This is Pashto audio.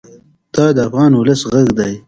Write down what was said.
دا د افغان ولس غږ دی.